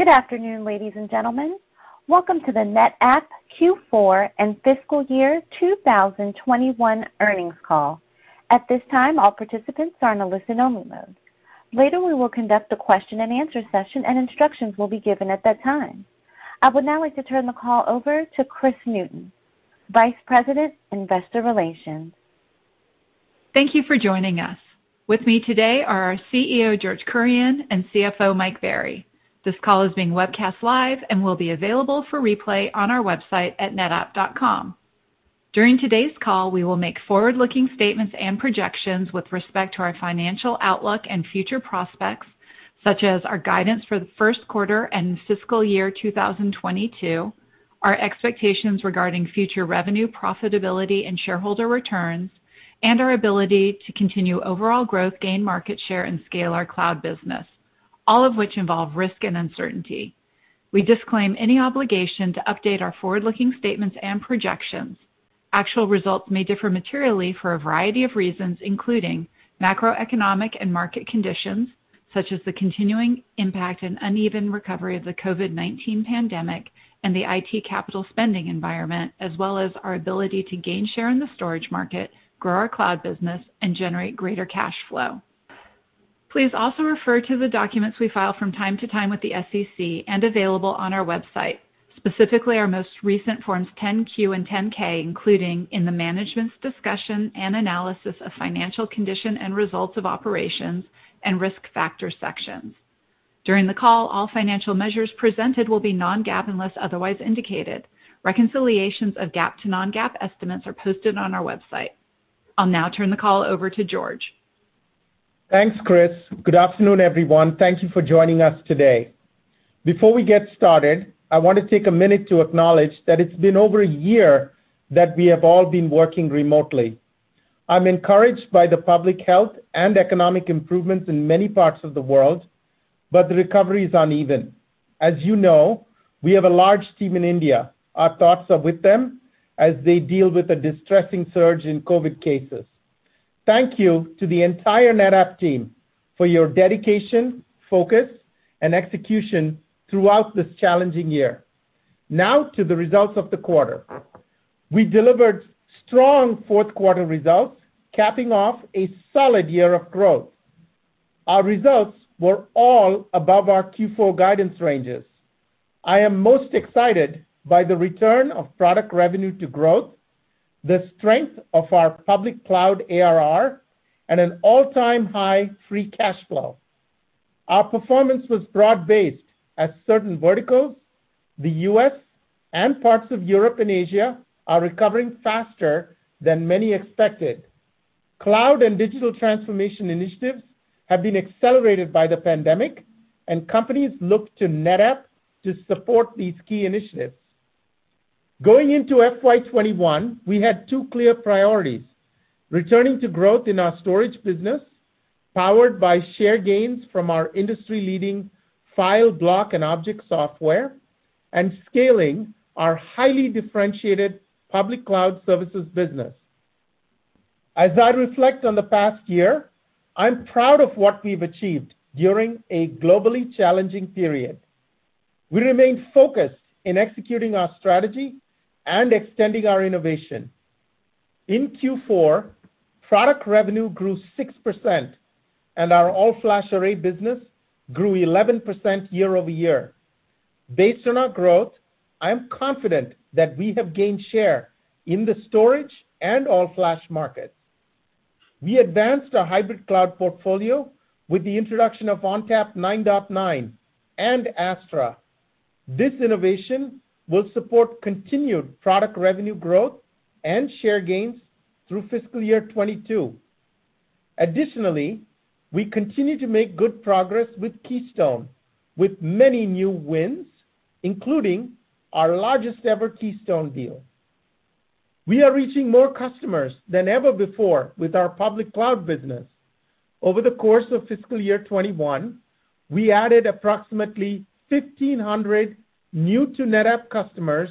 Good afternoon, ladies and gentlemen. Welcome to the NetApp Q4 and fiscal year 2021 earnings call. At this time, all participants are in a listen-only mode. Later, we will conduct the question and answer session, and instructions will be given at that time. I would now like to turn the call over to Kris Newton, Vice President, Investor Relations. Thank you for joining us. With me today are our CEO, George Kurian, and CFO, Mike Berry. This call is being webcast live and will be available for replay on our website at netapp.com. During today's call, we will make forward-looking statements and projections with respect to our financial outlook and future prospects, such as our guidance for the first quarter and fiscal year 2022, our expectations regarding future revenue profitability and shareholder returns, and our ability to continue overall growth, gain market share, and scale our cloud business, all of which involve risk and uncertainty. We disclaim any obligation to update our forward-looking statements and projections. Actual results may differ materially for a variety of reasons, including macroeconomic and market conditions, such as the continuing impact and uneven recovery of the COVID-19 pandemic and the IT capital spending environment, as well as our ability to gain share in the storage market, grow our cloud business, and generate greater cash flow. Please also refer to the documents we file from time to time with the SEC and available on our website, specifically our most recent Forms 10-Q and 10-K, including in the Management's Discussion and Analysis of Financial Condition and Results of Operations and Risk Factor sections. During the call, all financial measures presented will be non-GAAP unless otherwise indicated. Reconciliations of GAAP to non-GAAP estimates are posted on our website. I'll now turn the call over to George. Thanks, Kris. Good afternoon, everyone. Thank you for joining us today. Before we get started, I want to take a minute to acknowledge that it's been over a year that we have all been working remotely. I'm encouraged by the public health and economic improvements in many parts of the world, but the recovery is uneven. As you know, we have a large team in India. Our thoughts are with them as they deal with a distressing surge in COVID cases. Thank you to the entire NetApp team for your dedication, focus, and execution throughout this challenging year. Now, to the results of the quarter. We delivered strong fourth quarter results, capping off a solid year of growth. Our results were all above our Q4 guidance ranges. I am most excited by the return of product revenue to growth, the strength of our public cloud ARR, and an all-time high free cash flow. Our performance was broad-based as certain verticals, the U.S., and parts of Europe and Asia are recovering faster than many expected. Cloud and digital transformation initiatives have been accelerated by the pandemic, and companies look to NetApp to support these key initiatives. Going into FY 2021, we had two clear priorities: returning to growth in our storage business, powered by share gains from our industry-leading file, block, and object software, and scaling our highly differentiated public cloud services business. As I reflect on the past year, I'm proud of what we've achieved during a globally challenging period. We remain focused in executing our strategy and extending our innovation. In Q4, product revenue grew 6%, and our all-flash array business grew 11% year-over-year. Based on our growth, I'm confident that we have gained share in the storage and all-flash markets. We advanced our hybrid cloud portfolio with the introduction of ONTAP 9.9 and Astra. This innovation will support continued product revenue growth and share gains through fiscal year 2022. Additionally, we continue to make good progress with Keystone, with many new wins, including our largest-ever Keystone deal. We are reaching more customers than ever before with our public cloud business. Over the course of fiscal year 2021, we added approximately 1,500 new-to-NetApp customers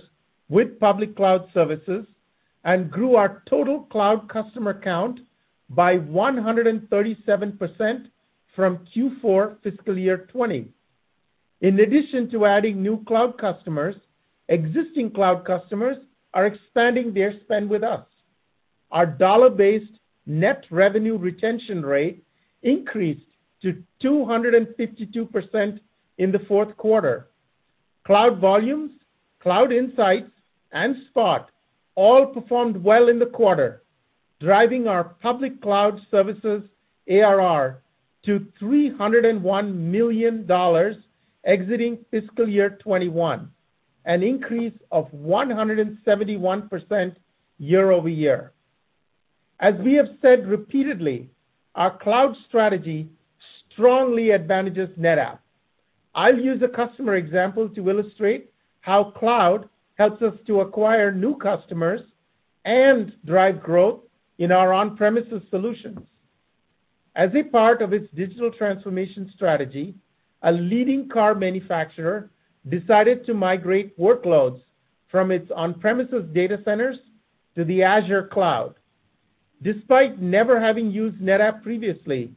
with public cloud services and grew our total cloud customer count by 137% from Q4 fiscal year 2020. In addition to adding new cloud customers, existing cloud customers are expanding their spend with us. Our dollar-based net revenue retention rate increased to 252% in the fourth quarter. Cloud Volumes, Cloud Insights, and Spot all performed well in the quarter, driving our public cloud services ARR to $301 million exiting fiscal year 2021, an increase of 171% year-over-year. As we have said repeatedly, our cloud strategy strongly advantages NetApp. I'll use a customer example to illustrate how cloud helps us to acquire new customers and drive growth in our on-premises solutions. As a part of its digital transformation strategy, a leading car manufacturer decided to migrate workloads from its on-premises data centers to the Azure cloud. Despite never having used NetApp previously,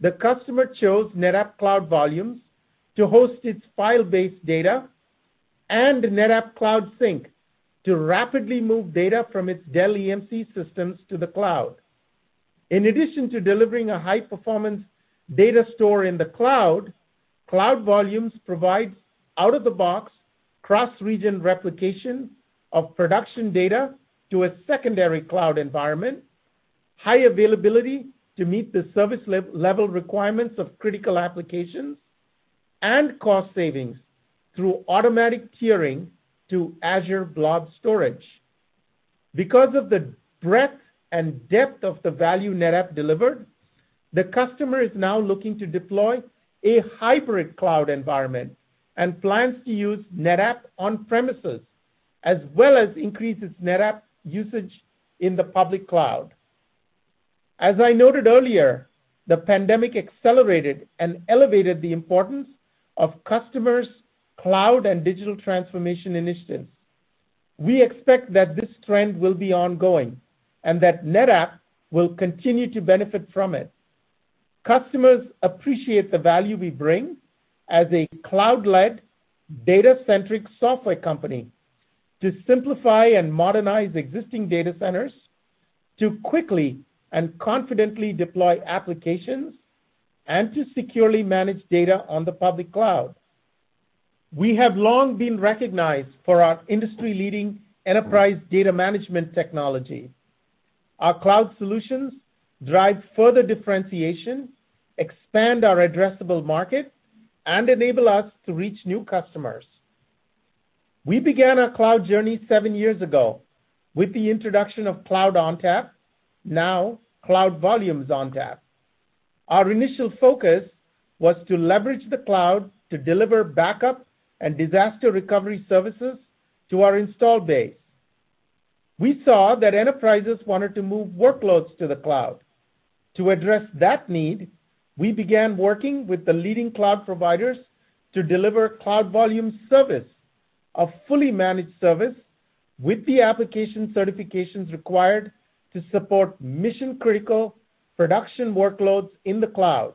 the customer chose NetApp Cloud Volumes to host its file-based data and NetApp Cloud Sync to rapidly move data from its Dell EMC systems to the cloud. In addition to delivering a high-performance data store in the cloud, Cloud Volumes provides out-of-the-box cross-region replication of production data to a secondary cloud environment, high availability to meet the service level requirements of critical applications, and cost savings through automatic tiering to Azure Blob Storage. Because of the breadth and depth of the value NetApp delivered, the customer is now looking to deploy a hybrid cloud environment and plans to use NetApp on-premises, as well as increase its NetApp usage in the public cloud. As I noted earlier, the pandemic accelerated and elevated the importance of customers' cloud and digital transformation initiatives. We expect that this trend will be ongoing and that NetApp will continue to benefit from it. Customers appreciate the value we bring as a cloud-led, data-centric software company to simplify and modernize existing data centers, to quickly and confidently deploy applications, and to securely manage data on the public cloud. We have long been recognized for our industry-leading enterprise data management technology. Our cloud solutions drive further differentiation, expand our addressable market, and enable us to reach new customers. We began our cloud journey seven years ago with the introduction of Cloud ONTAP, now Cloud Volumes ONTAP. Our initial focus was to leverage the cloud to deliver backup and disaster recovery services to our installed base. We saw that enterprises wanted to move workloads to the cloud. To address that need, we began working with the leading cloud providers to deliver Cloud Volumes Service, a fully managed service with the application certifications required to support mission-critical production workloads in the cloud.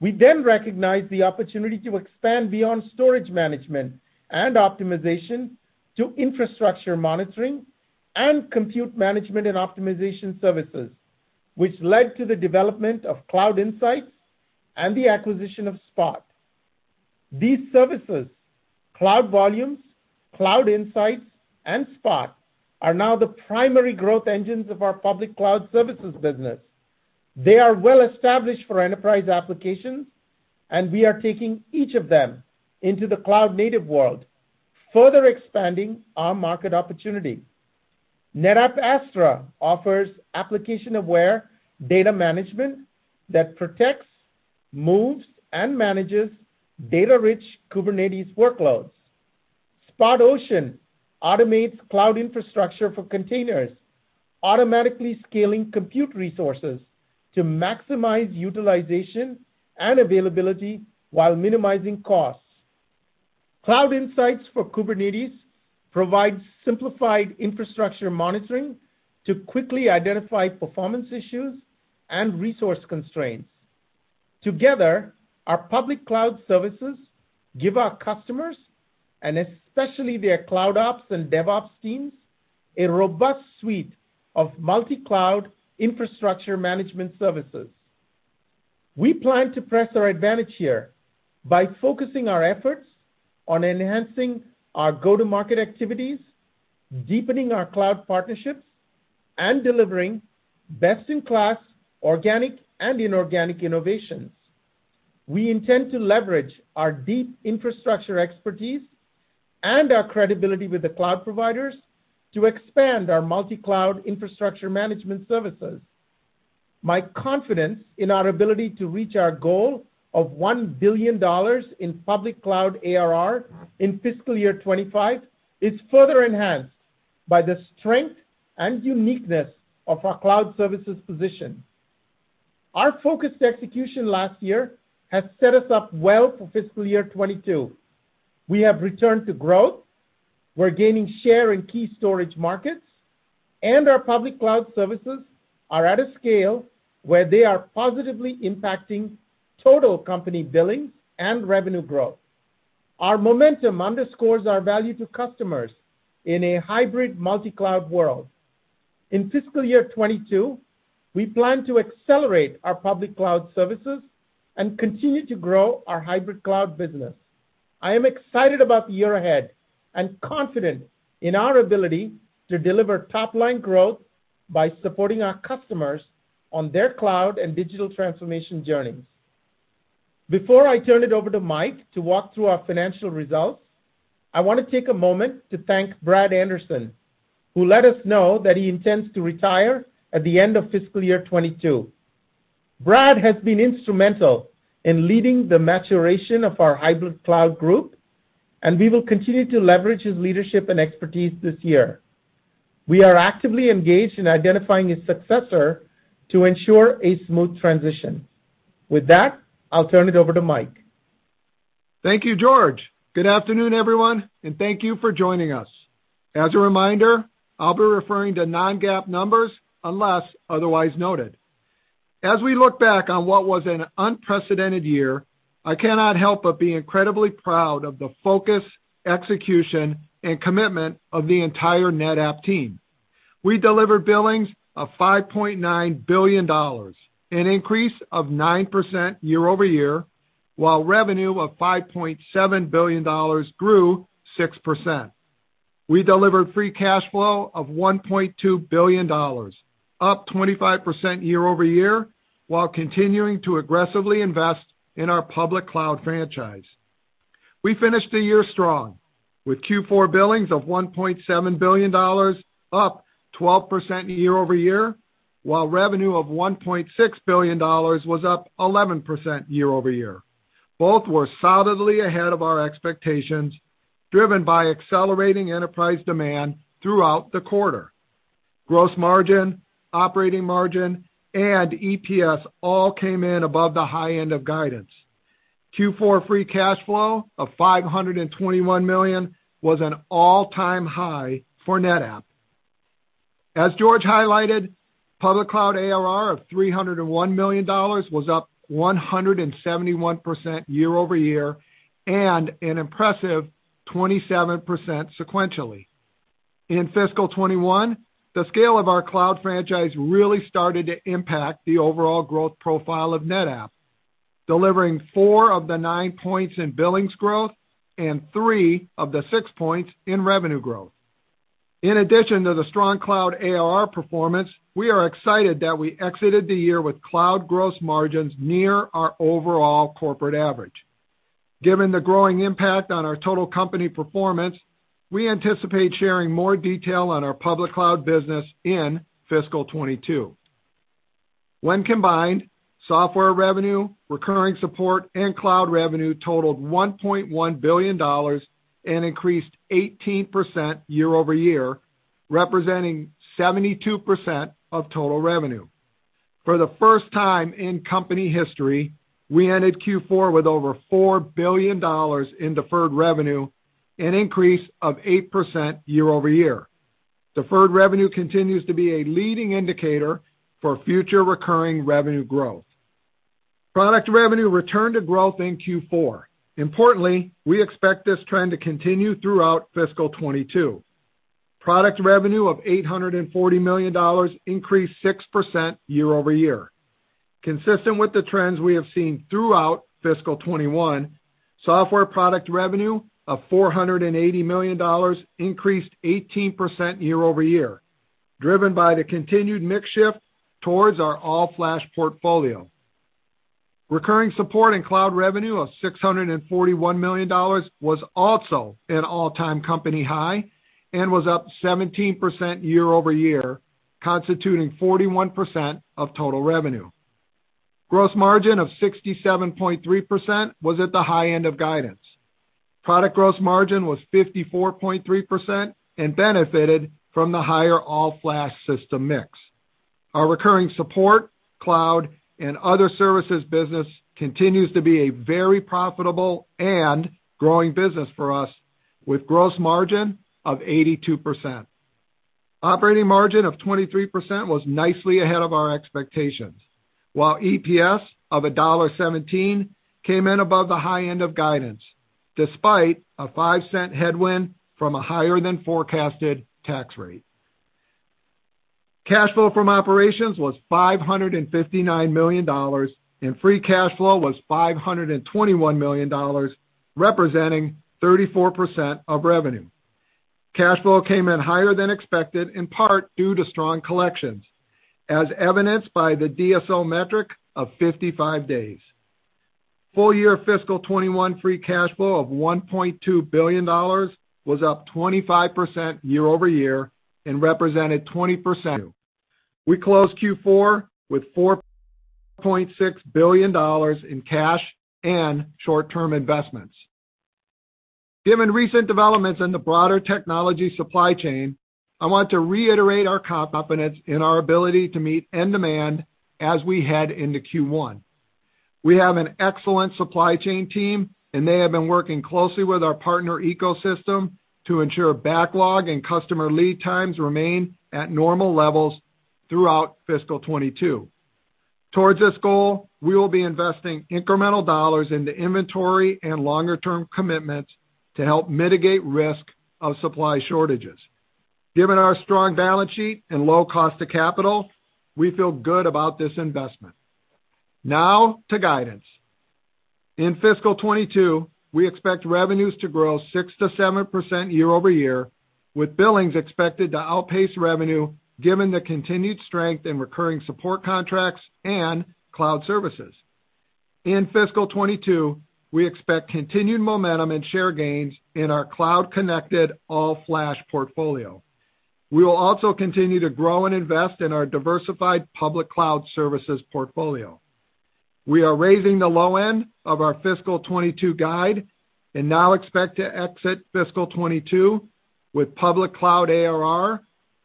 We then recognized the opportunity to expand beyond storage management and optimization to infrastructure monitoring and compute management and optimization services, which led to the development of Cloud Insights and the acquisition of Spot. These services, Cloud Volumes, Cloud Insights, and Spot, are now the primary growth engines of our public cloud services business. They are well established for enterprise applications, and we are taking each of them into the cloud-native world, further expanding our market opportunity. NetApp Astra offers application-aware data management that protects, moves, and manages data-rich Kubernetes workloads. Spot Ocean automates cloud infrastructure for containers, automatically scaling compute resources to maximize utilization and availability while minimizing costs. Cloud Insights for Kubernetes provides simplified infrastructure monitoring to quickly identify performance issues and resource constraints. Together, our public cloud services give our customers, and especially their CloudOps and DevOps teams, a robust suite of multi-cloud infrastructure management services. We plan to press our advantage here by focusing our efforts on enhancing our go-to-market activities, deepening our cloud partnerships, and delivering best-in-class organic and inorganic innovations. We intend to leverage our deep infrastructure expertise and our credibility with the cloud providers to expand our multi-cloud infrastructure management services. My confidence in our ability to reach our goal of $1 billion in public cloud ARR in fiscal year 2025 is further enhanced by the strength and uniqueness of our cloud services position. Our focused execution last year has set us up well for fiscal year 2022. We have returned to growth. We're gaining share in key storage markets, and our public cloud services are at a scale where they are positively impacting total company billing and revenue growth. Our momentum underscores our value to customers in a hybrid multi-cloud world. In fiscal year 2022, we plan to accelerate our public cloud services and continue to grow our hybrid cloud business. I am excited about the year ahead and confident in our ability to deliver top-line growth by supporting our customers on their cloud and digital transformation journeys. Before I turn it over to Mike to walk through our financial results, I want to take a moment to thank Brad Anderson, who let us know that he intends to retire at the end of fiscal year 2022. Brad has been instrumental in leading the maturation of our Hybrid Cloud Group, and we will continue to leverage his leadership and expertise this year. We are actively engaged in identifying his successor to ensure a smooth transition. With that, I'll turn it over to Mike. Thank you, George. Good afternoon, everyone. Thank you for joining us. As a reminder, I'll be referring to non-GAAP numbers unless otherwise noted. As we look back on what was an unprecedented year, I cannot help but be incredibly proud of the focus, execution, and commitment of the entire NetApp team. We delivered billings of $5.9 billion, an increase of 9% year-over-year, while revenue of $5.7 billion grew 6%. We delivered free cash flow of $1.2 billion, up 25% year-over-year, while continuing to aggressively invest in our public cloud franchise. We finished the year strong with Q4 billings of $1.7 billion, up 12% year-over-year, while revenue of $1.6 billion was up 11% year-over-year. Both were solidly ahead of our expectations, driven by accelerating enterprise demand throughout the quarter. Gross margin, operating margin, and EPS all came in above the high end of guidance. Q4 free cash flow of $521 million was an all-time high for NetApp. As George highlighted, public cloud ARR of $301 million was up 171% year over year and an impressive 27% sequentially. In fiscal 2021, the scale of our cloud franchise really started to impact the overall growth profile of NetApp, delivering four of the nine points in billings growth and three of the six points in revenue growth. In addition to the strong cloud ARR performance, we are excited that we exited the year with cloud gross margins near our overall corporate average. Given the growing impact on our total company performance, we anticipate sharing more detail on our public cloud business in fiscal 2022. When combined, software revenue, recurring support, and cloud revenue totaled $1.1 billion and increased 18% year-over-year, representing 72% of total revenue. For the first time in company history, we ended Q4 with over $4 billion in deferred revenue, an increase of 8% year-over-year. Deferred revenue continues to be a leading indicator for future recurring revenue growth. Product revenue returned to growth in Q4. Importantly, we expect this trend to continue throughout fiscal 2022. Product revenue of $840 million increased 6% year-over-year. Consistent with the trends we have seen throughout fiscal 2021, software product revenue of $480 million increased 18% year-over-year, driven by the continued mix shift towards our All-flash portfolio. Recurring support and cloud revenue of $641 million was also an all-time company high and was up 17% year-over-year, constituting 41% of total revenue. Gross margin of 67.3% was at the high end of guidance. Product gross margin was 54.3% and benefited from the higher All-flash system mix. Our recurring support, cloud, and other services business continues to be a very profitable and growing business for us with gross margin of 82%. Operating margin of 23% was nicely ahead of our expectations, while EPS of $1.17 came in above the high end of guidance, despite a $0.05 headwind from a higher than forecasted tax rate. Cash flow from operations was $559 million, and free cash flow was $521 million, representing 34% of revenue. Cash flow came in higher than expected, in part due to strong collections, as evidenced by the DSO metric of 55 days. Full year fiscal 2021 free cash flow of $1.2 billion was up 25% year-over-year and represented 20% of revenue. We closed Q4 with $4.6 billion in cash and short-term investments. Given recent developments in the broader technology supply chain, I want to reiterate our confidence in our ability to meet end demand as we head into Q1. We have an excellent supply chain team, they have been working closely with our partner ecosystem to ensure backlog and customer lead times remain at normal levels throughout fiscal 2022. Towards this goal, we will be investing incremental dollars into inventory and longer-term commitments to help mitigate risk of supply shortages. Given our strong balance sheet and low cost of capital, we feel good about this investment. Now to guidance. In fiscal 2022, we expect revenues to grow 6%-7% year-over-year with billings expected to outpace revenue given the continued strength in recurring support contracts and cloud services. In fiscal 2022, we expect continued momentum and share gains in our cloud-connected all-flash portfolio. We will also continue to grow and invest in our diversified public cloud services portfolio. We are raising the low end of our fiscal 2022 guide and now expect to exit fiscal 2022 with public cloud ARR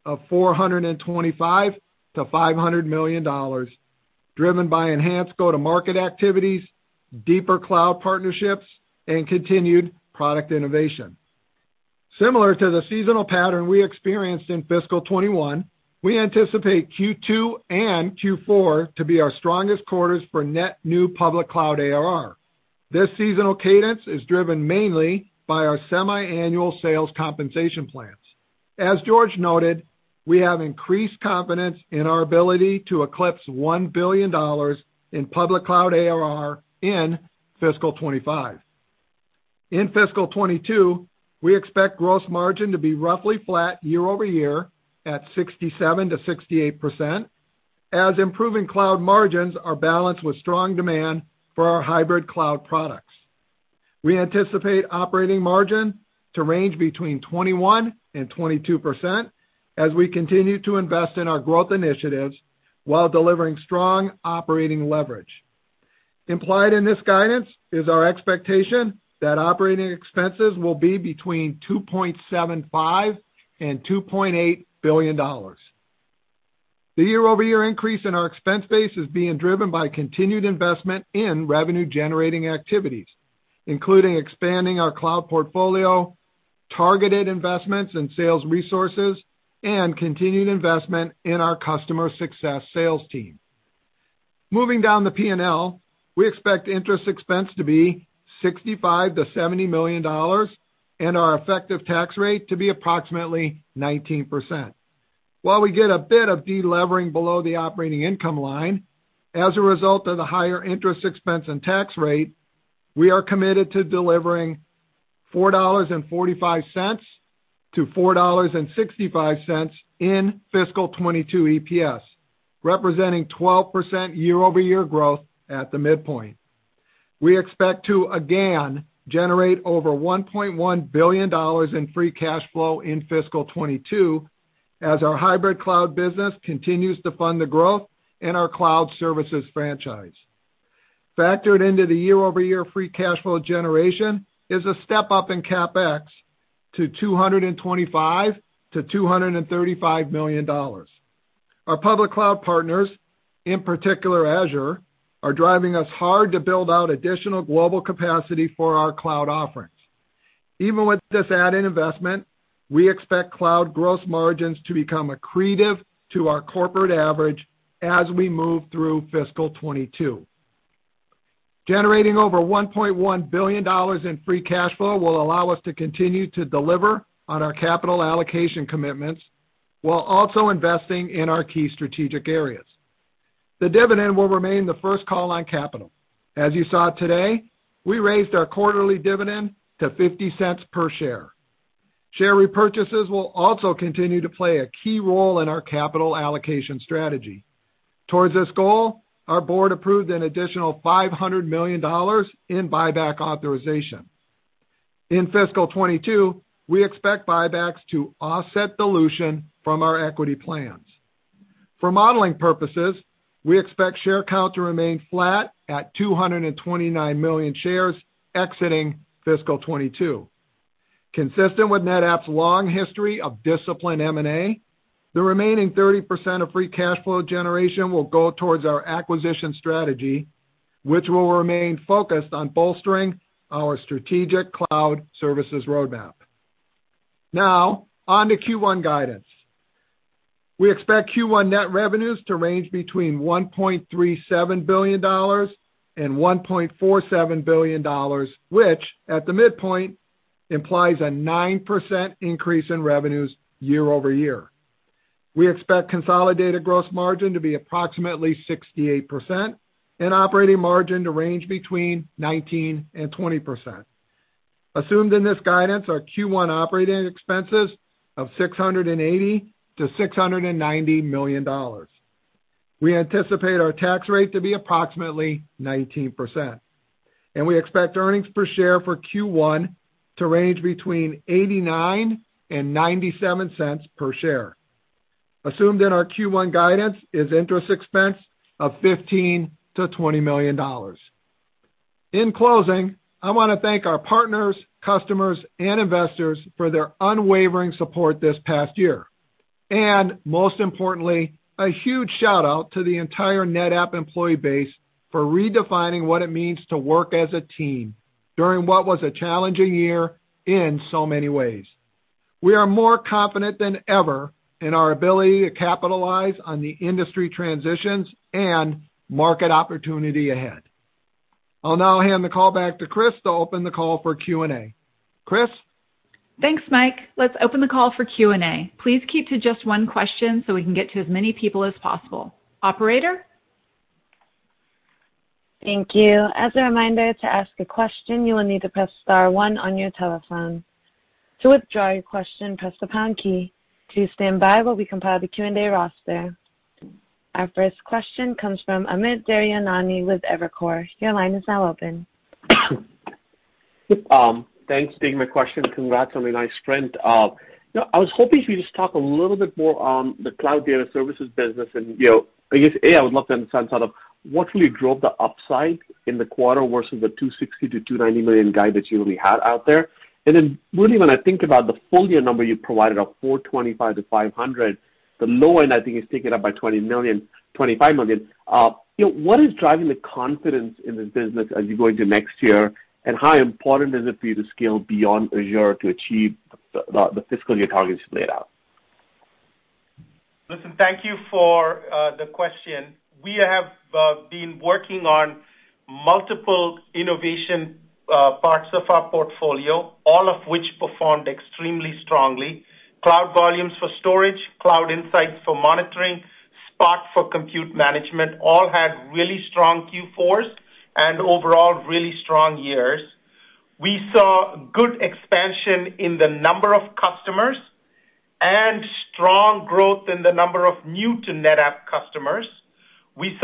of $425 million-$500 million. Driven by enhanced go-to-market activities, deeper cloud partnerships, and continued product innovation. Similar to the seasonal pattern we experienced in fiscal 2021, we anticipate Q2 and Q4 to be our strongest quarters for net new public cloud ARR. This seasonal cadence is driven mainly by our semi-annual sales compensation plans. As George noted, we have increased confidence in our ability to eclipse $1 billion in public cloud ARR in fiscal 2025. In fiscal 2022, we expect gross margin to be roughly flat year-over-year at 67%-68%, as improving cloud margins are balanced with strong demand for our hybrid cloud products. We anticipate operating margin to range between 21% and 22% as we continue to invest in our growth initiatives while delivering strong operating leverage. Implied in this guidance is our expectation that operating expenses will be between $2.75 billion and $2.8 billion. The year-over-year increase in our expense base is being driven by continued investment in revenue-generating activities, including expanding our cloud portfolio, targeted investments in sales resources, and continued investment in our customer success sales team. Moving down the P&L, we expect interest expense to be $65 million-$70 million, and our effective tax rate to be approximately 19%. While we get a bit of delevering below the operating income line, as a result of the higher interest expense and tax rate, we are committed to delivering $4.45-$4.65 in fiscal 2022 EPS, representing 12% year-over-year growth at the midpoint. We expect to, again, generate over $1.1 billion in free cash flow in fiscal 2022 as our hybrid cloud business continues to fund the growth in our cloud services franchise. Factored into the year-over-year free cash flow generation is a step up in CapEx to $225 million-$235 million. Our public cloud partners, in particular Azure, are driving us hard to build out additional global capacity for our cloud offerings. Even with this added investment, we expect cloud gross margins to become accretive to our corporate average as we move through fiscal 2022. Generating over $1.1 billion in free cash flow will allow us to continue to deliver on our capital allocation commitments while also investing in our key strategic areas. The dividend will remain the first call on capital. As you saw today, we raised our quarterly dividend to $0.50 per share. Share repurchases will also continue to play a key role in our capital allocation strategy. Towards this goal, our board approved an additional $500 million in buyback authorization. In FY 2022, we expect buybacks to offset dilution from our equity plans. For modeling purposes, we expect share count to remain flat at 229 million shares exiting FY 2022. Consistent with NetApp's long history of disciplined M&A, the remaining 30% of free cash flow generation will go towards our acquisition strategy, which will remain focused on bolstering our strategic cloud services roadmap. Now, on to Q1 guidance. We expect Q1 net revenues to range between $1.37 billion and $1.47 billion, which, at the midpoint, implies a 9% increase in revenues year-over-year. We expect consolidated gross margin to be approximately 68% and operating margin to range between 19% and 20%. Assumed in this guidance are Q1 OpEx of $680 million-$690 million. We anticipate our tax rate to be approximately 19%, and we expect earnings per share for Q1 to range between $0.89 and $0.97 per share. Assumed in our Q1 guidance is interest expense of $15 million-$20 million. In closing, I want to thank our partners, customers, and investors for their unwavering support this past year. Most importantly, a huge shout-out to the entire NetApp employee base for redefining what it means to work as a team during what was a challenging year in so many ways. We are more confident than ever in our ability to capitalize on the industry transitions and market opportunity ahead. I'll now hand the call back to Kris to open the call for Q&A. Kris? Thanks, Mike. Let's open the call for Q&A. Please keep to just one question so we can get to as many people as possible. Operator? Thank you. As a reminder, to ask a question, you will need to press star one on your telephone. To withdraw your question, press the pound key. To standby, we'll become part of the Q&A roster. Our first question comes from Amit Daryanani with Evercore. Your line is now open. Thanks for taking my question. Congrats on the nice strength. I was hoping if you could just talk a little bit more on the cloud data services business and, I guess, A, I would love to understand sort of what really drove the upside in the quarter versus the $260 million-$290 million guidance you already had out there. Then really when I think about the full year number you provided of $425 million-$500 million, the low end, I think, is taken up by $20 million, $25 million. What is driving the confidence in the business as you go into next year? How important is it for you to scale beyond Azure to achieve the fiscal year targets laid out? Listen, thank you for the question. We have been working on multiple innovation parts of our portfolio, all of which performed extremely strongly. Cloud Volumes for storage, Cloud Insights for monitoring, Spot for compute management, all had really strong Q4s, and overall, really strong years. We saw good expansion in the number of customers and strong growth in the number of new-to-NetApp customers. It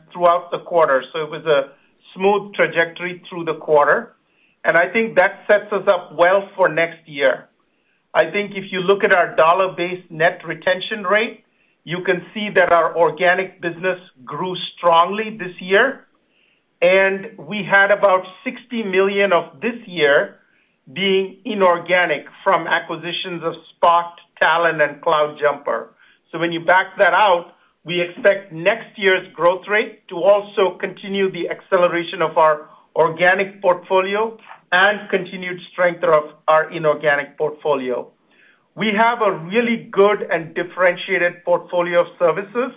was a smooth trajectory through the quarter, and I think that sets us up well for next year. I think if you look at our dollar-based net retention rate, you can see that our organic business grew strongly this year, and we had about $60 million of this year being inorganic from acquisitions of Spot, Talon, and CloudJumper. When you back that out, we expect next year's growth rate to also continue the acceleration of our organic portfolio and continued strength of our inorganic portfolio. We have a really good and differentiated portfolio of services.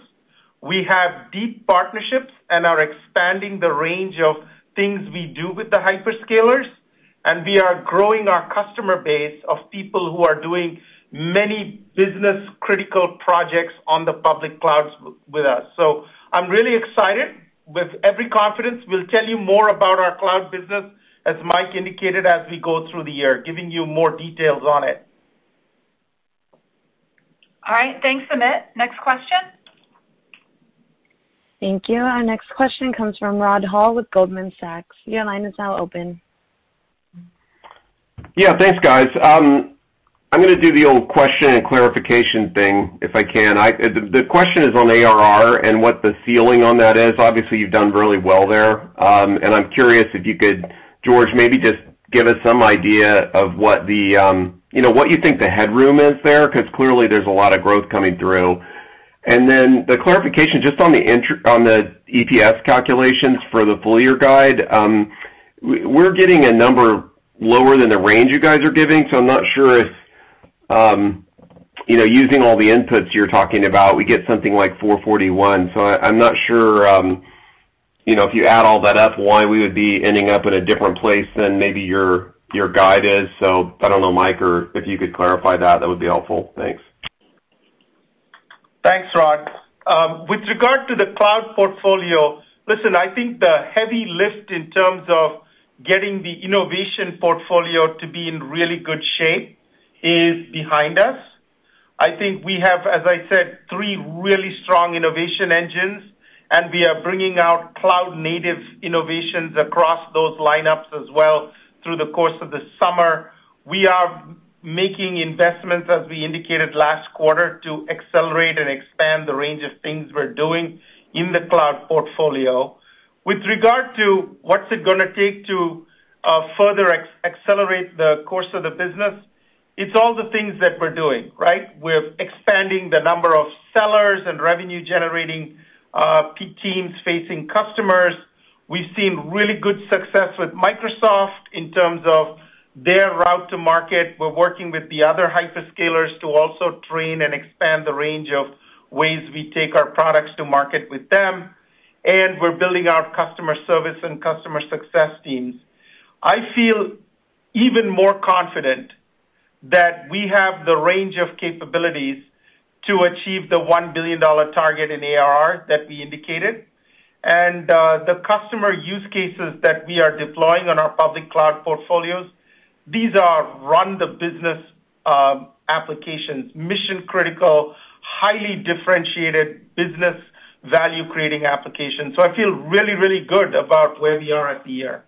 We have deep partnerships and are expanding the range of things we do with the hyperscalers, and we are growing our customer base of people who are doing many business-critical projects on the public clouds with us. I'm really excited. With every confidence, we'll tell you more about our cloud business, as Mike indicated, as we go through the year, giving you more details on it. All right, thanks, Amit. Next question. Thank you. Our next question comes from Rod Hall with Goldman Sachs. Your line is now open. Yeah. Thanks, guys. I'm going to do the old question and clarification thing, if I can. The question is on ARR and what the ceiling on that is. Obviously, you've done really well there. I'm curious if you could, George, maybe just give us some idea of what you think the headroom is there, because clearly there's a lot of growth coming through. The clarification just on the EPS calculations for the full year guide. We're getting a number lower than the range you guys are giving. I'm not sure if, using all the inputs you're talking about, we get something like 4.41. I'm not sure, if you add all that up, why we would be ending up in a different place than maybe your guide is. I don't know, Mike, or if you could clarify that would be helpful. Thanks. Thanks, Rod. With regard to the cloud portfolio, listen, I think the heavy lift in terms of getting the innovation portfolio to be in really good shape is behind us. I think we have, as I said, three really strong innovation engines. We are bringing out cloud-native innovations across those lineups as well through the course of the summer. We are making investments, as we indicated last quarter, to accelerate and expand the range of things we're doing in the cloud portfolio. With regard to what's it going to take to further accelerate the course of the business, it's all the things that we're doing, right? We're expanding the number of sellers and revenue-generating teams facing customers. We've seen really good success with Microsoft in terms of their route to market. We're working with the other hyperscalers to also train and expand the range of ways we take our products to market with them, and we're building out customer service and customer success teams. I feel even more confident that we have the range of capabilities to achieve the $1 billion target in ARR that we indicated. The customer use cases that we are deploying on our public cloud portfolios, these are run the business applications, mission-critical, highly differentiated business value-creating applications. I feel really, really good about where we are at the year.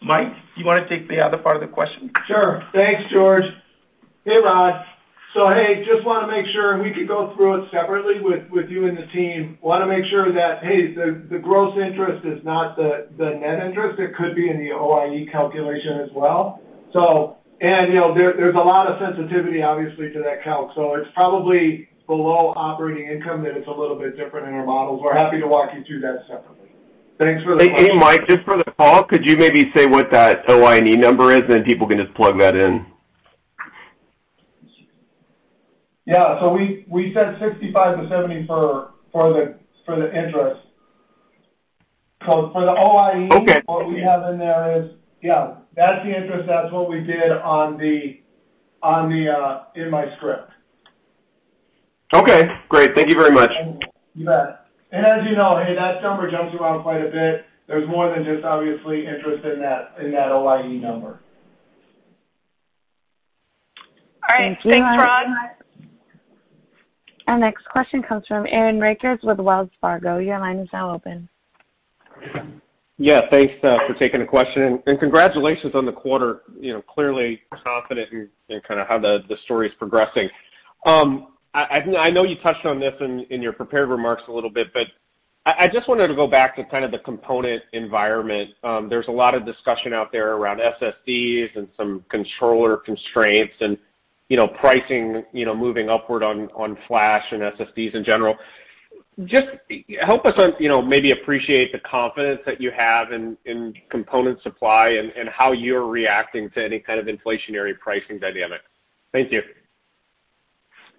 Mike, do you want to take the other part of the question? Sure. Thanks, George. Hey, Rod. Hey, just want to make sure, and we can go through it separately with you and the team. Want to make sure that, hey, the gross interest is not the net interest. It could be in the OIE calculation as well. There's a lot of sensitivity, obviously, to that calc, so it's probably below operating income that it's a little bit different in our models. We're happy to walk you through that separately. Thanks for the question. Hey, Mike, just for the call, could you maybe say what that OIE number is, then people can just plug that in? Yeah. We said $65-$70 for the interest. Okay. What we have in there is, yeah, that's the interest. That's what we did in my script. Okay, great. Thank you very much. You bet. As you know, hey, that number jumps around quite a bit. There's more than just obviously interest in that OIE number. Thank you. All right. Thanks, Rod. Our next question comes from Aaron Rakers with Wells Fargo. Your line is now open. Yeah. Thanks for taking the question, and congratulations on the quarter. Clearly confident in how the story's progressing. I know you touched on this in your prepared remarks a little bit, but I just wanted to go back to the component environment. There's a lot of discussion out there around SSDs and some controller constraints and pricing moving upward on flash and SSDs in general. Just help us maybe appreciate the confidence that you have in component supply and how you're reacting to any kind of inflationary pricing dynamic. Thank you.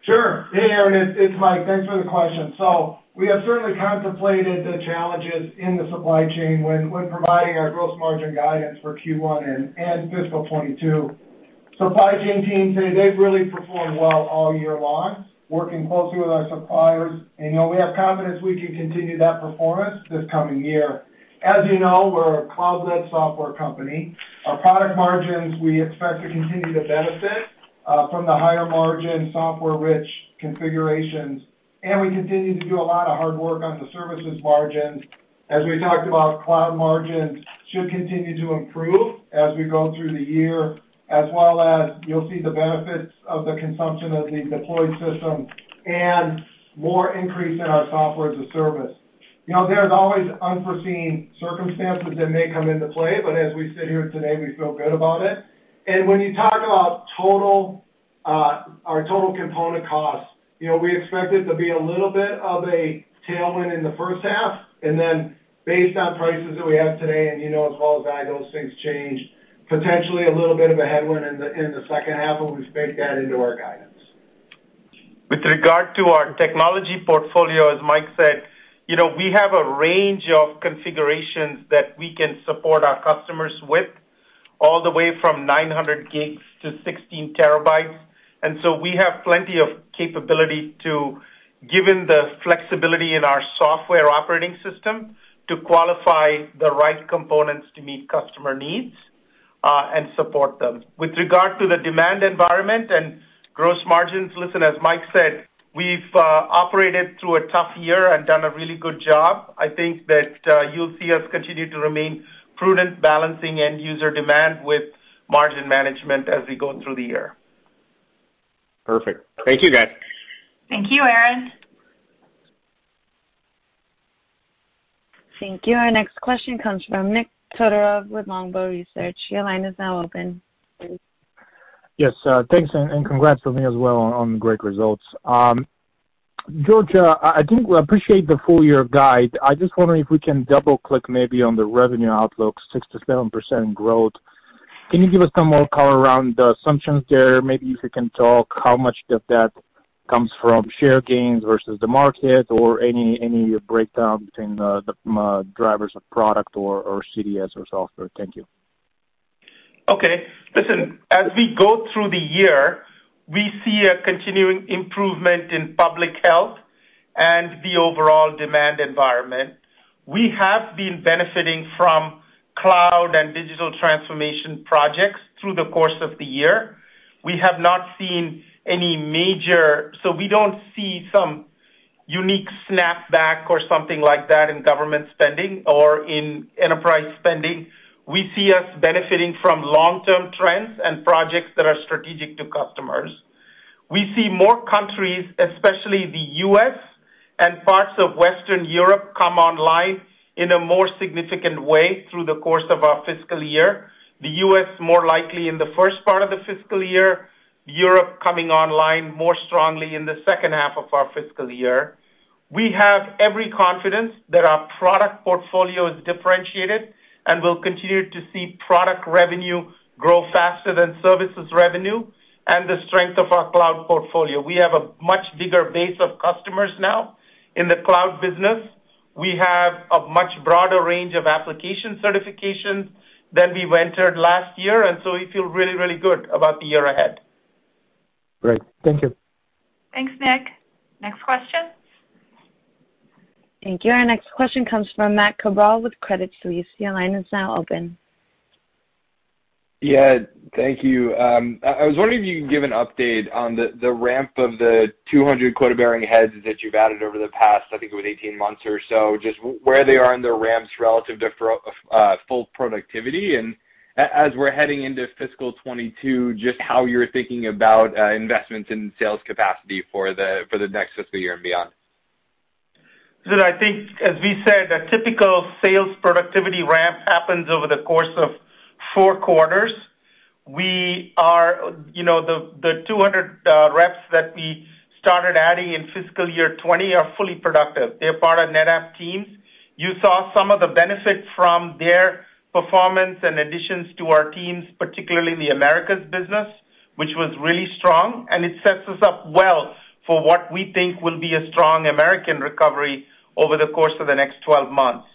Sure. Hey, Aaron, it's Mike. Thanks for the question. We have certainly contemplated the challenges in the supply chain when providing our gross margin guidance for Q1 and fiscal 2022. Supply chain teams, they've really performed well all year long, working closely with our suppliers, we have confidence we can continue that performance this coming year. As you know, we're a cloud-led software company. Our product margins, we expect to continue to benefit from the higher margin software-rich configurations, we continue to do a lot of hard work on the services margin. As we talked about, cloud margins should continue to improve as we go through the year, as well as you'll see the benefits of the consumption of the deployed systems and more increase in our software as a service. There's always unforeseen circumstances that may come into play, but as we sit here today, we feel good about it. When you talk about our total component cost, we expect it to be a little bit of a tailwind in the first half, and then based on prices that we have today, and as well as guide, those things change, potentially a little bit of a headwind in the second half, and we've baked that into our guidance. With regard to our technology portfolio, as Mike said, we have a range of configurations that we can support our customers with, all the way from 900 GB to 16 TB. We have plenty of capability to, given the flexibility in our software operating system, to qualify the right components to meet customer needs, and support them. With regard to the demand environment and gross margins, listen, as Mike said, we've operated through a tough year and done a really good job. I think that you'll see us continue to remain prudent balancing end user demand with margin management as we go through the year. Perfect. Thank you, guys. Thank you, Aaron. Thank you. Our next question comes from Nik Todorov with Longbow Research. Your line is now open. Yes, thanks, and congrats to me as well on the great results. George, I do appreciate the full year guide. I just wonder if we can double-click maybe on the revenue outlook, 6%-7% growth. Can you give us some more color around the assumptions there? Maybe if you can talk how much of that comes from share gains versus the market or any breakdown between the drivers of product or CDS or software. Thank you. Okay. Listen, as we go through the year, we see a continuing improvement in public health and the overall demand environment. We have been benefiting from cloud and digital transformation projects through the course of the year. We don't see some unique snapback or something like that in government spending or in enterprise spending. We see us benefiting from long-term trends and projects that are strategic to customers. We see more countries, especially the U.S. and parts of Western Europe, come online in a more significant way through the course of our fiscal year, the U.S. more likely in the first part of the fiscal year, Europe coming online more strongly in the second half of our fiscal year. We have every confidence that our product portfolio is differentiated, and we'll continue to see product revenue grow faster than services revenue and the strength of our cloud portfolio. We have a much bigger base of customers now in the cloud business. We have a much broader range of application certifications than we went through last year. We feel really, really good about the year ahead. Great. Thank you. Thanks, Nik. Next question. Thank you. Our next question comes from Matt Cabral with Credit Suisse. Your line is now open. Yeah. Thank you. I was wondering if you can give an update on the ramp of the 200 quota-bearing heads that you've added over the past, I think it was 18 months or so, just where they are in their ramps relative to full productivity, and as we're heading into fiscal 2022, just how you're thinking about investments in sales capacity for the next fiscal year and beyond? I think as we said, a typical sales productivity ramp happens over the course of four quarters. The 200 reps that we started adding in fiscal year 2020 are fully productive. They're part of NetApp teams. You saw some of the benefit from their performance and additions to our teams, particularly in the Americas business, which was really strong. It sets us up well for what we think will be a strong American recovery over the course of the next 12 months.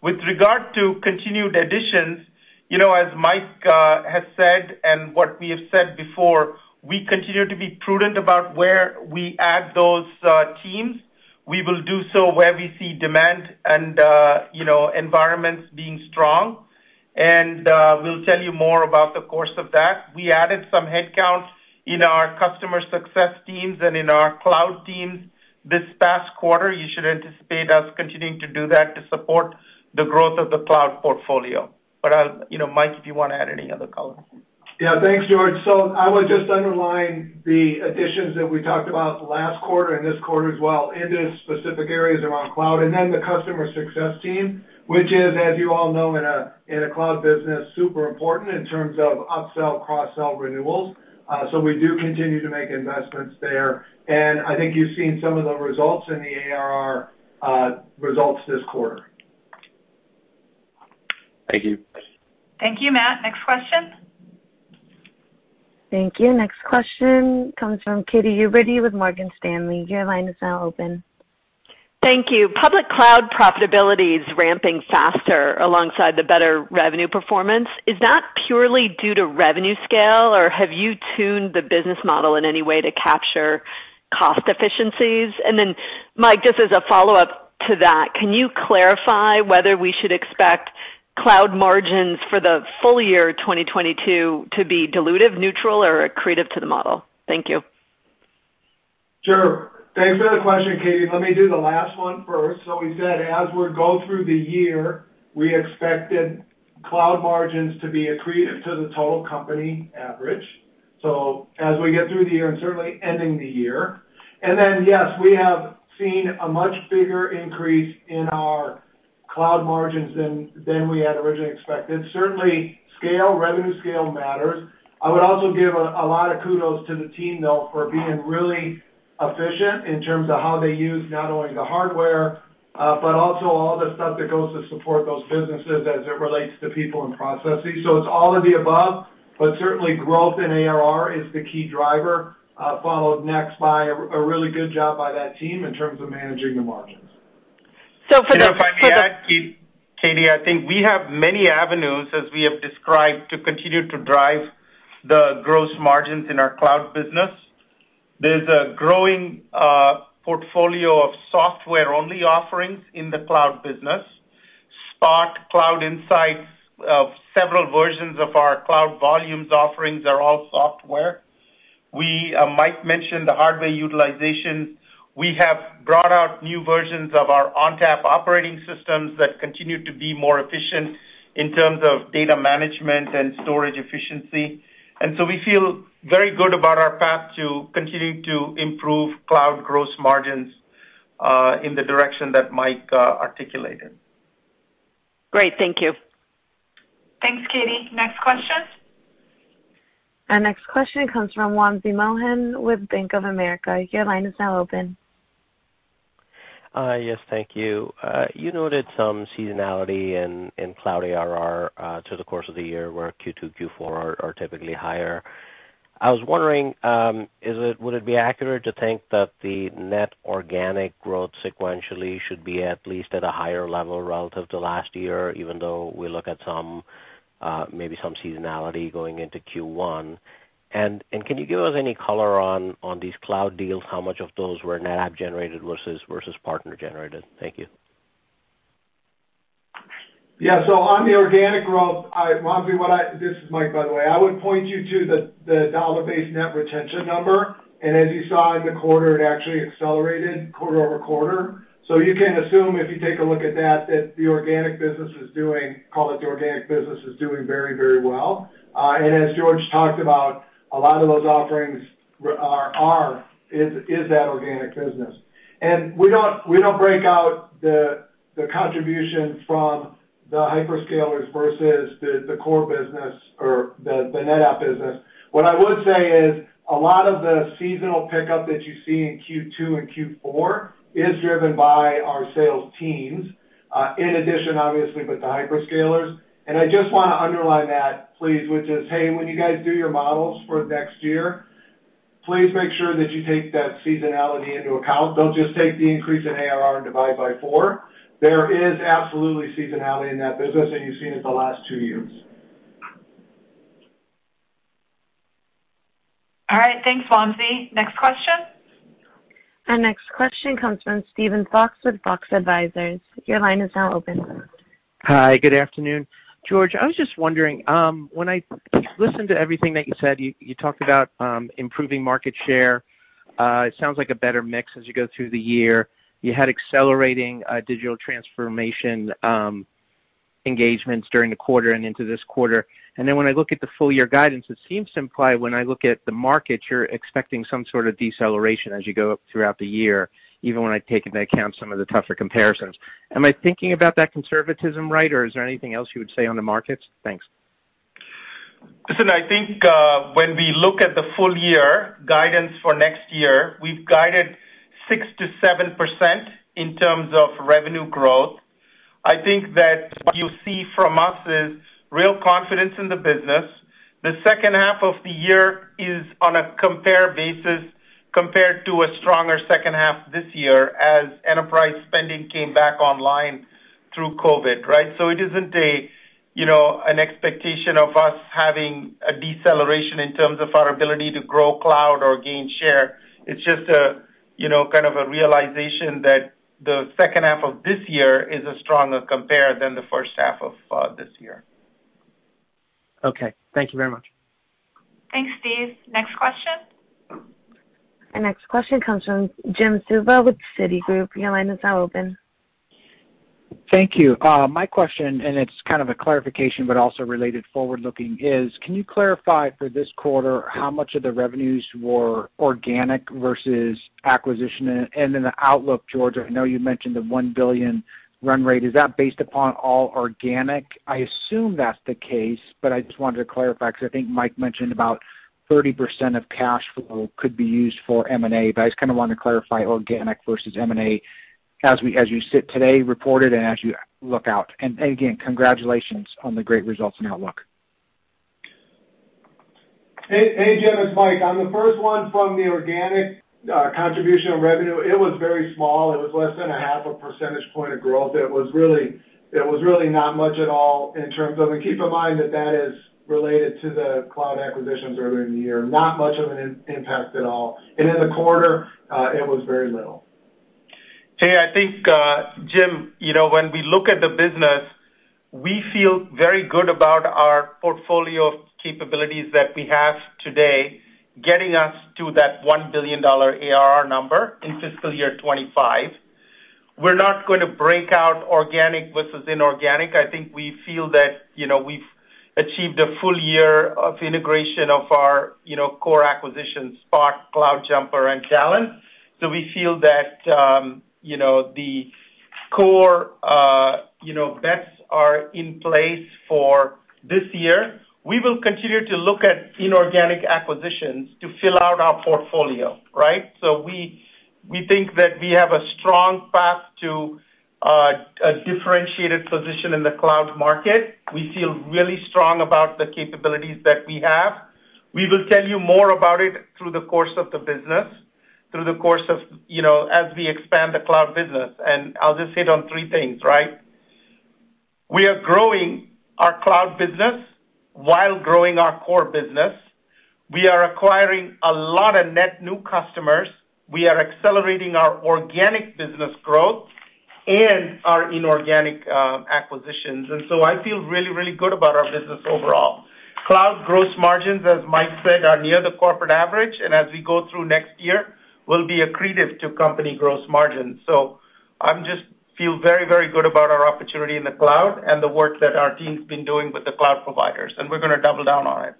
With regard to continued additions, as Mike has said, what we have said before, we continue to be prudent about where we add those teams. We will do so where we see demand and environments being strong. We'll tell you more about the course of that. We added some headcount in our customer success teams and in our cloud teams this past quarter. You should anticipate us continuing to do that to support the growth of the cloud portfolio. Mike, do you want to add anything else? Yeah. Thanks, George. I would just underline the additions that we talked about last quarter and this quarter as well in the specific areas around cloud, and then the customer success team, which is, as you all know, in a cloud business, super important in terms of upsell, cross-sell renewals. We do continue to make investments there, and I think you've seen some of the results in the ARR results this quarter. Thank you. Thank you, Matt. Next question. Thank you. Next question comes from Katy Huberty with Morgan Stanley. Your line is now open. Thank you. Public cloud profitability is ramping faster alongside the better revenue performance. Is that purely due to revenue scale, or have you tuned the business model in any way to capture cost efficiencies? Mike, just as a follow-up to that, can you clarify whether we should expect cloud margins for the full year 2022 to be dilutive neutral or accretive to the model? Thank you. Sure. Thanks for the question, Katy. Let me do the last one first. We said as we go through the year, we expected cloud margins to be accretive to the total company average, as we get through the year and certainly ending the year. Yes, we have seen a much bigger increase in our cloud margins than we had originally expected. Certainly, revenue scale matters. I would also give a lot of kudos to the team, though, for being really efficient in terms of how they use not only the hardware, but also all the stuff that goes to support those businesses as it relates to people and processes. It's all of the above, but certainly growth in ARR is the key driver, followed next by a really good job by that team in terms of managing the margins. So for the- If I may add, Katy, I think we have many avenues, as we have described, to continue to drive the gross margins in our cloud business. There's a growing portfolio of software-only offerings in the cloud business. Spot Cloud Insights, several versions of our Cloud Volumes offerings are all software. Mike mentioned the hardware utilization. We have brought out new versions of our ONTAP operating systems that continue to be more efficient in terms of data management and storage efficiency. We feel very good about our path to continuing to improve cloud gross margins, in the direction that Mike articulated. Great. Thank you. Thanks, Katy. Next question. Our next question comes from Wamsi Mohan with Bank of America. Your line is now open. Yes, thank you. You noted some seasonality in cloud ARR to the course of the year where Q2, Q4 are typically higher. I was wondering, would it be accurate to think that the net organic growth sequentially should be at least at a higher level relative to last year, even though we look at maybe some seasonality going into Q1? Can you give us any color on these cloud deals, how much of those were NetApp generated versus partner generated? Thank you. Yeah. On the organic growth, Wamsi, this is Mike, by the way. I would point you to the dollar-based net retention number. As you saw in the quarter, it actually accelerated quarter-over-quarter. You can assume if you take a look at that the organic business is doing very, very well. As George talked about, a lot of those offerings are, is that organic business. We don't break out the contributions from the hyperscalers versus the core business or the NetApp business. What I would say is a lot of the seasonal pickup that you see in Q2 and Q4 is driven by our sales teams, in addition, obviously, with the hyperscalers. I just want to underline that, please, which is, hey, when you guys do your models for next year, please make sure that you take that seasonality into account. Don't just take the increase in ARR and divide by four. There is absolutely seasonality in that business. You've seen it the last two years. All right, thanks, Wamsi. Next question. Our next question comes from Steven Fox with Fox Advisors. Your line is now open. Hi, good afternoon. George, I was just wondering, when I listened to everything that you said, you talked about improving market share. It sounds like a better mix as you go through the year. You had accelerating digital transformation engagements during the quarter and into this quarter. When I look at the full year guidance, it seems to imply when I look at the market, you're expecting some sort of deceleration as you go throughout the year, even when I take into account some of the tougher comparisons. Am I thinking about that conservatism right, or is there anything else you would say on the markets? Thanks. Listen, I think when we look at the full year guidance for next year, we've guided 6%-7% in terms of revenue growth. I think that what you see from us is real confidence in the business. The second half of the year is on a compare basis compared to a stronger second half this year as enterprise spending came back online through COVID, right? It isn't an expectation of us having a deceleration in terms of our ability to grow cloud or gain share. It's just a realization that the second half of this year is a stronger compare than the first half of this year. Okay. Thank you very much. Thanks, Steve. Next question. The next question comes from Jim Suva with Citigroup. Your line is now open. Thank you. My question, and it's kind of a clarification, but also related forward-looking is, can you clarify for this quarter how much of the revenues were organic versus acquisition? In the outlook, George, I know you mentioned the $1 billion run rate. Is that based upon all organic? I assume that's the case, but I just wanted to clarify because I think Mike mentioned about 30% of cash flow could be used for M&A, but I just want to clarify organic versus M&A as you sit today reported and as you look out. Again, congratulations on the great results and outlook. Hey, Jim. It's Mike. On the first one from the organic contribution revenue, it was very small. It was less than a half a percentage point of growth. It was really not much at all. Keep in mind that is related to the cloud acquisitions earlier in the year, not much of an impact at all. In the quarter, it was very little. I think, Jim, when we look at the business, we feel very good about our portfolio of capabilities that we have today, getting us to that $1 billion ARR number in fiscal year 2025. We're not going to break out organic versus inorganic. I think we feel that we've achieved a full year of integration of our core acquisitions, Spot, CloudJumper and Talon. We feel that the core bets are in place for this year. We will continue to look at inorganic acquisitions to fill out our portfolio. We think that we have a strong path to a differentiated position in the cloud market. We feel really strong about the capabilities that we have. We will tell you more about it through the course of the business, as we expand the cloud business. I'll just hit on three things. We are growing our cloud business while growing our core business. We are acquiring a lot of net new customers. We are accelerating our organic business growth and our inorganic acquisitions. I feel really good about our business overall. Cloud gross margins, as Mike said, are near the corporate average, and as we go through next year, will be accretive to company gross margins. I just feel very good about our opportunity in the cloud and the work that our team's been doing with the cloud providers, and we're going to double down on it.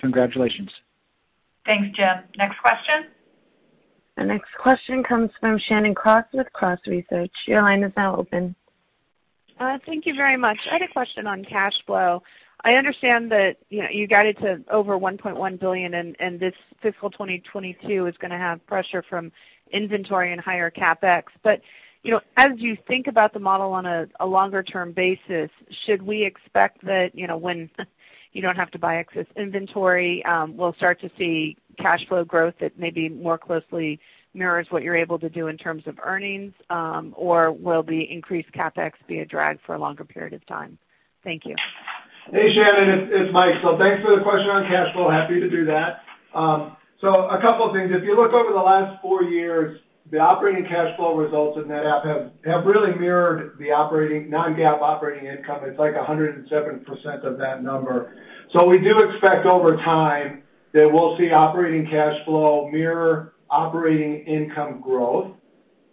Congratulations. Thanks, Jim. Next question. The next question comes from Shannon Cross with Cross Research. Your line is now open. Thank you very much. I had a question on cash flow. I understand that you guided to over $1.1 billion, and this fiscal 2022 is going to have pressure from inventory and higher CapEx. As you think about the model on a longer-term basis, should we expect that when you don't have to buy excess inventory, we'll start to see cash flow growth that maybe more closely mirrors what you're able to do in terms of earnings? Or will the increased CapEx be a drag for a longer period of time? Thank you. Hey, Shannon, it's Mike. Thanks for the question on cash flow. Happy to do that. A couple things. If you look over the last four years, the operating cash flow results at NetApp have really mirrored the non-GAAP operating income. It's like 107% of that number. We do expect over time that we'll see operating cash flow mirror operating income growth.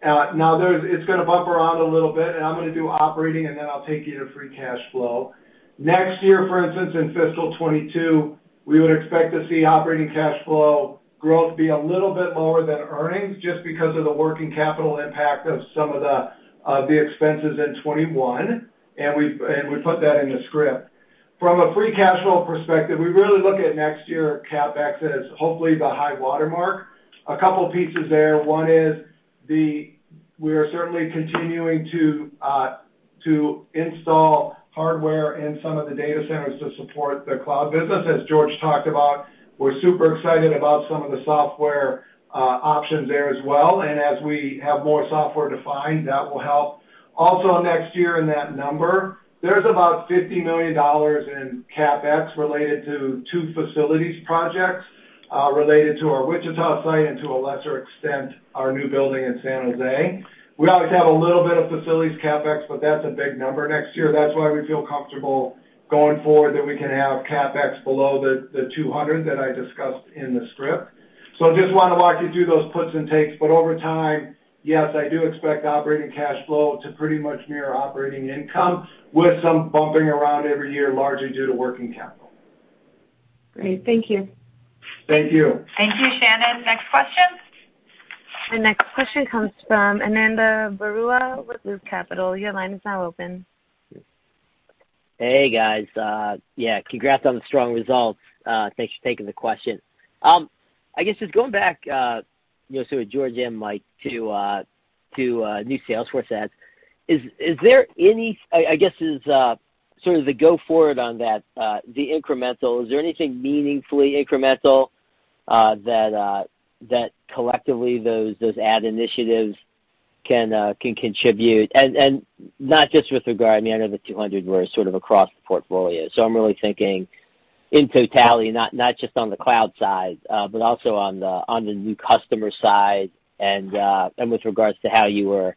It's going to bump around a little bit, and I'm going to do operating, and then I'll take you to free cash flow. Next year, for instance, in fiscal 2022, we would expect to see operating cash flow growth be a little bit lower than earnings, just because of the working capital impact of some of the expenses in 2021. We put that in the script. From a free cash flow perspective, we really look at next year CapEx as hopefully the high watermark. A couple pieces there. One is we are certainly continuing to install hardware in some of the data centers to support the cloud business, as George talked about. We're super excited about some of the software options there as well, and as we have more software defined, that will help. Next year in that number, there's about $50 million in CapEx related to two facilities projects related to our Wichita site and to a lesser extent, our new building in San Jose. We always have a little bit of facilities CapEx, but that's a big number next year. That's why we feel comfortable going forward that we can have CapEx below the $200 that I discussed in the script. I just want to walk you through those puts and takes. Over time, yes, I do expect operating cash flow to pretty much mirror operating income with some bumping around every year, largely due to working capital. Great. Thank you. Thank you. Thank you, Shannon. Next question. Our next question comes from Ananda Baruah with Loop Capital. Your line is now open. Hey, guys. Congrats on the strong results. Thanks for taking the question. I guess just going back, so George and Mike, to new sales force adds, is there any, I guess as sort of the go forward on that, the incremental, is there anything meaningfully incremental that collectively those ad initiatives can contribute? Not just with regard to Ananda, but just wondered where sort of across the portfolio. I'm really thinking in totality, not just on the cloud side, but also on the new customer side and with regards to how you were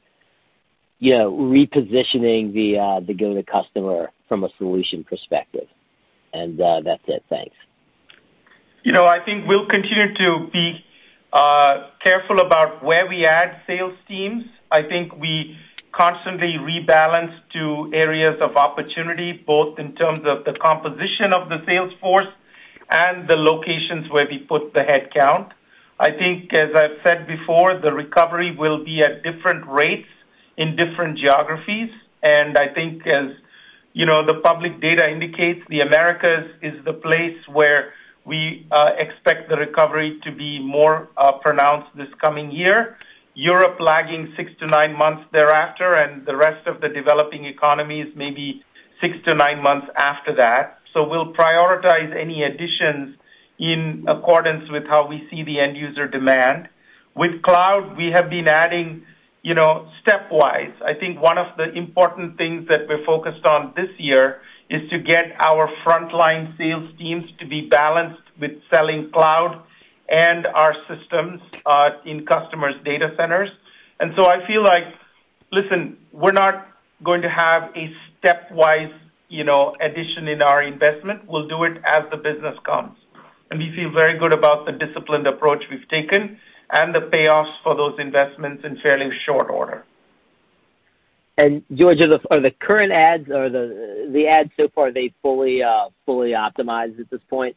repositioning the go-to customer from a solution perspective. That's it. Thanks. I think we'll continue to be careful about where we add sales teams. I think we constantly rebalance to areas of opportunity, both in terms of the composition of the sales force and the locations where we put the headcount. I think, as I've said before, the recovery will be at different rates in different geographies. I think as the public data indicates, the Americas is the place where we expect the recovery to be more pronounced this coming year. Europe lagging six to nine months thereafter, the rest of the developing economies maybe six to nine months after that. We'll prioritize any additions in accordance with how we see the end user demand. With cloud, we have been adding stepwise. I think one of the important things that we're focused on this year is to get our frontline sales teams to be balanced with selling cloud and our systems in customers' data centers. I feel like, listen, we're not going to have a stepwise addition in our investment. We'll do it as the business comes. We feel very good about the disciplined approach we've taken and the payoffs for those investments in fairly short order. George, are the current ads or the ads so far, are they fully optimized at this point?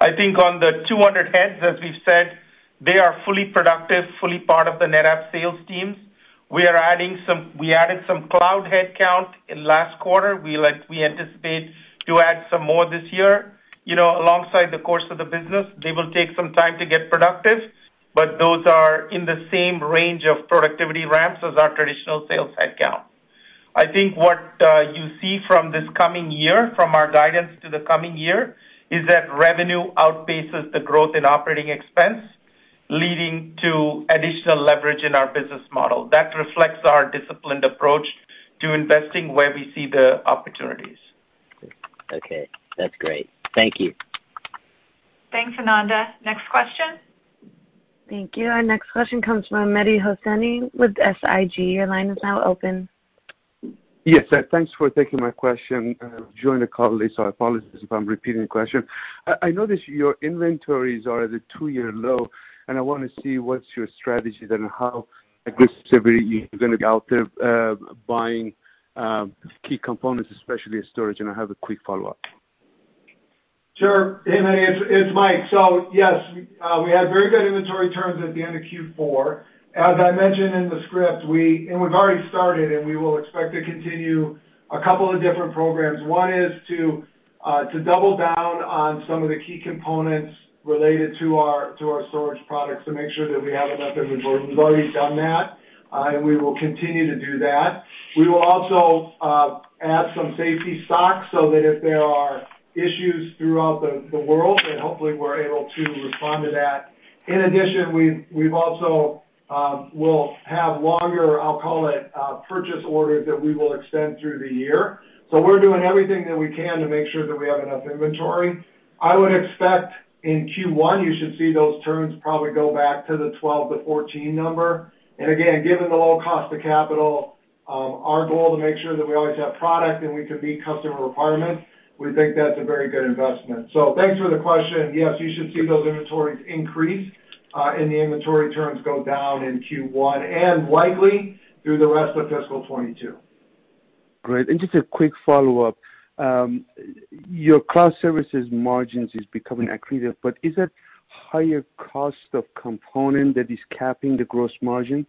I think on the 200 heads, as we said, they are fully productive, fully part of the NetApp sales team. We added some cloud headcount last quarter. We anticipate to add some more this year. Alongside the course of the business, they will take some time to get productive, but those are in the same range of productivity ramps as our traditional sales headcount. I think what you see from this coming year, from our guidance to the coming year, is that revenue outpaces the growth in operating expense, leading to additional leverage in our business model. That reflects our disciplined approach to investing where we see the opportunities. Okay. That's great. Thank you. Thanks, Ananda. Next question. Thank you. Our next question comes from Mehdi Hosseini with SIG. Your line is now open. Yes. Thanks for taking my question. I've joined the call late, so I apologize if I'm repeating the question. I notice your inventories are at a two-year low, and I want to see what's your strategy then, how aggressively you're going to be out there buying key components, especially in storage, and I have a quick follow-up. Sure. Hey, Mehdi, it's Mike. Yes, we had very good inventory turns at the end of Q4. As I mentioned in the script, we've already started, and we will expect to continue a couple of different programs. One is to double down on some of the key components related to our storage products to make sure that we have enough inventory. We've already done that, and we will continue to do that. We will also add some safety stock so that if there are issues throughout the world, hopefully we're able to respond to that. In addition, we also will have longer, I'll call it, purchase orders that we will extend through the year. We're doing everything that we can to make sure that we have enough inventory. I would expect in Q1, you should see those turns probably go back to the 12-14 number. Again, given the low cost of capital, our goal to make sure that we always have product and we can meet customer requirements, we think that's a very good investment. Thanks for the question. Yes, you should see those inventories increase and the inventory turns go down in Q1 and likely through the rest of fiscal 2022. Great. Just a quick follow-up. Your cloud services margins is becoming accretive, but is it higher cost of component that is capping the gross margin?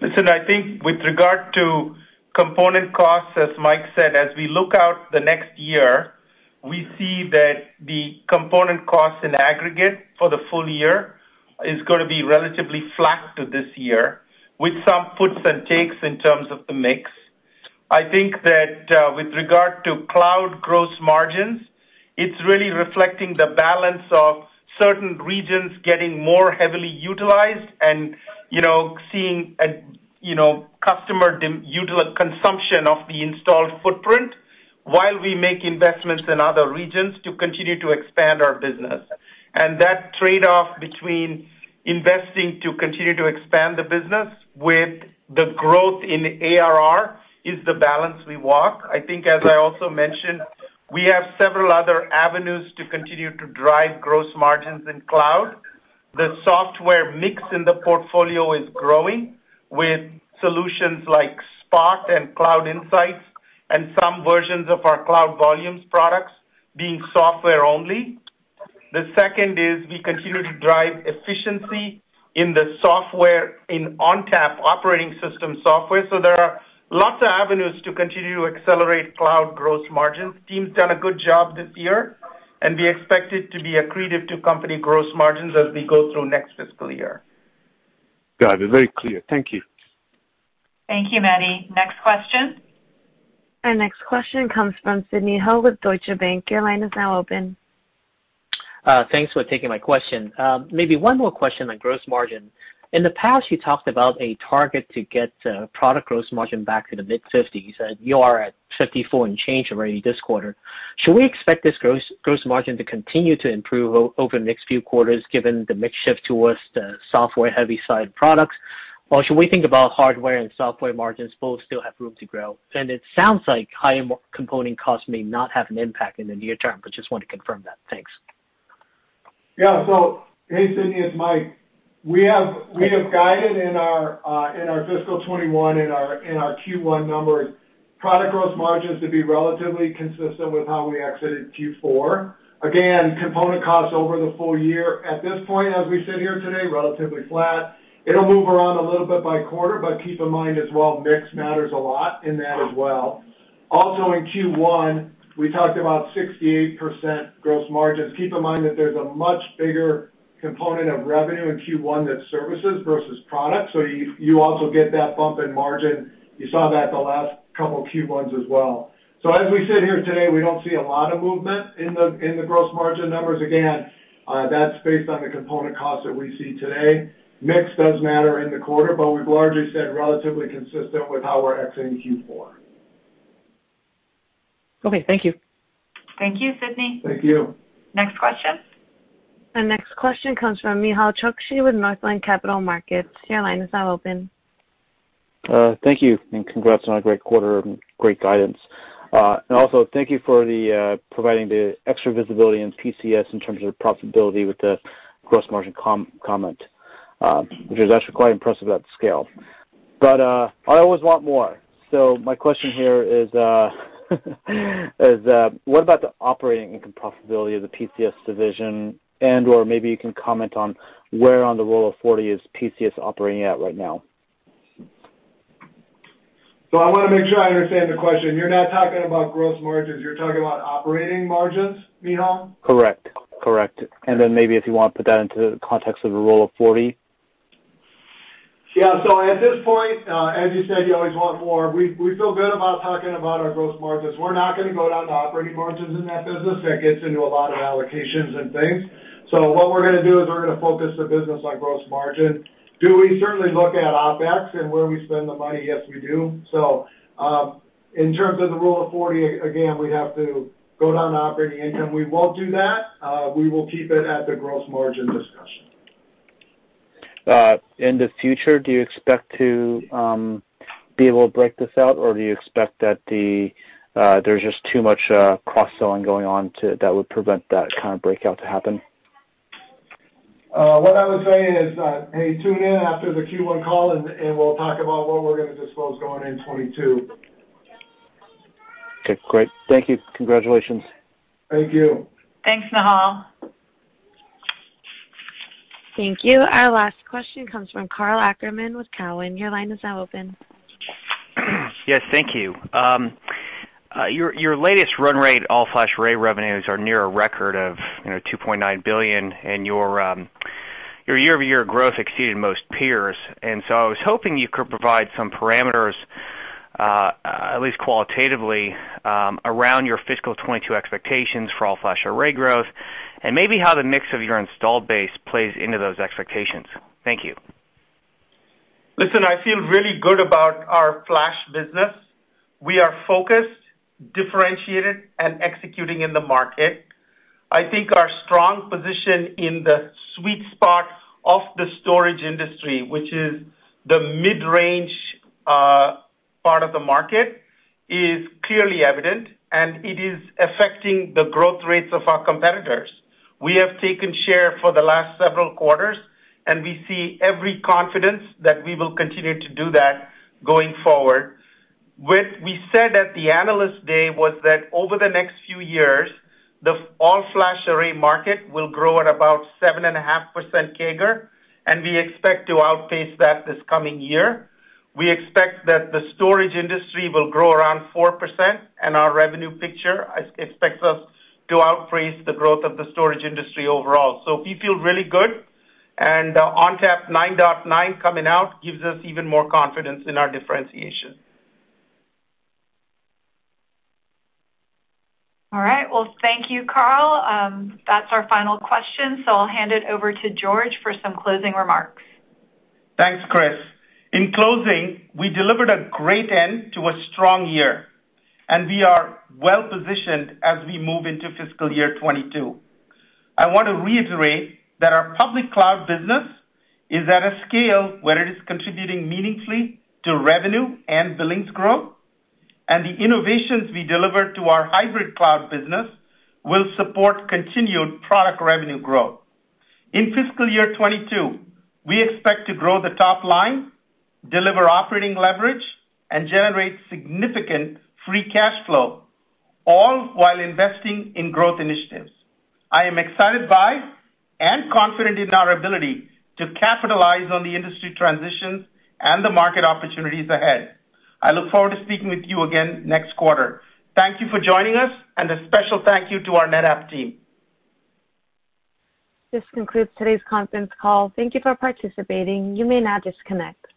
Listen, I think with regard to component costs, as Mike said, as we look out the next year, we see that the component costs in aggregate for the full year is going to be relatively flat to this year, with some puts and takes in terms of the mix. I think that with regard to cloud gross margins, it's really reflecting the balance of certain regions getting more heavily utilized and seeing customer consumption of the installed footprint while we make investments in other regions to continue to expand our business. That trade-off between investing to continue to expand the business with the growth in ARR is the balance we walk. I think as I also mentioned, we have several other avenues to continue to drive gross margins in cloud. The software mix in the portfolio is growing with solutions like Spot and Cloud Insights and some versions of our Cloud Volumes products being software only. The second is we continue to drive efficiency in the software, in ONTAP operating system software. There are lots of avenues to continue to accelerate cloud gross margins. Teams done a good job this year, and we expect it to be accretive to company gross margins as we go through next fiscal year. Got it. Very clear. Thank you. Thank you, Mehdi. Next question. Our next question comes from Sidney Ho with Deutsche Bank. Your line is now open. Thanks for taking my question. Maybe one more question on gross margin. In the past, you talked about a target to get product gross margin back in the mid-50s. You are at 54 and change already this quarter. Should we expect this gross margin to continue to improve over the next few quarters, given the mix shift towards the software-heavy side products, or should we think about hardware and software margins both still have room to grow? It sounds like higher component costs may not have an impact in the near term, but just want to confirm that. Thanks. Hey, Sidney, it's Mike. We have guided in our fiscal 2021, in our Q1 numbers product gross margins to be relatively consistent with how we exited Q4. Component costs over the full year. At this point, as we sit here today, relatively flat. It'll move around a little bit by quarter, keep in mind as well, mix matters a lot in that as well. In Q1, we talked about 68% gross margins. Keep in mind that there's a much bigger component of revenue in Q1 that's services versus products. You also get that bump in margin. You saw that the last couple of Q1s as well. As we sit here today, we don't see a lot of movement in the gross margin numbers. That's based on the component cost that we see today. Mix does matter in the quarter, but we've already said relatively consistent with how we're exiting Q4. Okay. Thank you. Thank you, Sidney. Thank you. Next question. The next question comes from Nehal Chokshi with Northland Capital Markets. Your line is now open. Thank you, congrats on a great quarter and great guidance. Also thank you for providing the extra visibility on PCS in terms of profitability with the gross margin comment, which is actually quite impressive at scale. I always want more. My question here is what about the operating profitability of the PCS division and/or maybe you can comment on where on the rule of 40 is PCS operating at right now? I want to make sure I understand the question. You're not talking about gross margins, you're talking about operating margins, Nehal? Correct. Maybe if you want to put that into the context of the rule of 40. Yeah. At this point, as you said, you always want more. We feel good about talking about our gross margins. We're not going to go down to operating margins in that business. That gets into a lot of allocations and things. What we're going to do is we're going to focus the business on gross margin. Do we certainly look at OpEx and where we spend the money? Yes, we do. In terms of the rule of 40, again, we'd have to go down to operating income. We won't do that. We will keep it at the gross margin discussion. In the future, do you expect to be able to break this out or do you expect that there's just too much cross-selling going on that would prevent that kind of breakout to happen? What I would say is, hey, tune in after the Q1 call and we'll talk about what we're going to disclose going in 2022. Okay, great. Thank you. Congratulations. Thank you. Thanks, Nehal. Thank you. Our last question comes from Karl Ackerman with Cowen. Your line is now open. Yes. Thank you. Your latest run rate all-flash array revenues are near a record of $2.9 billion, and your year-over-year growth exceeded most peers. I was hoping you could provide some parameters, at least qualitatively, around your fiscal 2022 expectations for all-flash array growth, and maybe how the mix of your installed base plays into those expectations. Thank you. Listen, I feel really good about our flash business. We are focused, differentiated, and executing in the market. I think our strong position in the sweet spot of the storage industry, which is the mid-range part of the market, is clearly evident, and it is affecting the growth rates of our competitors. We have taken share for the last several quarters, and we see every confidence that we will continue to do that going forward. What we said at the Analyst Day was that over the next few years, the all-flash array market will grow at about 7.5% CAGR, and we expect to outpace that this coming year. We expect that the storage industry will grow around 4%, and our revenue picture expects us to outpace the growth of the storage industry overall. We feel really good, and ONTAP 9.9 coming out gives us even more confidence in our differentiation. All right. Well, thank you, Karl. That's our final question. I'll hand it over to George for some closing remarks. Thanks, Kris. In closing, we delivered a great end to a strong year, we are well-positioned as we move into fiscal year 2022. I want to reiterate that our public cloud business is at a scale where it is contributing meaningfully to revenue and billings growth, the innovations we deliver to our hybrid cloud business will support continued product revenue growth. In fiscal year 2022, we expect to grow the top line, deliver operating leverage, and generate significant free cash flow, all while investing in growth initiatives. I am excited by and confident in our ability to capitalize on the industry transitions and the market opportunities ahead. I look forward to speaking with you again next quarter. Thank you for joining us, a special thank you to our NetApp team. This concludes today's conference call. Thank you for participating. You may now disconnect.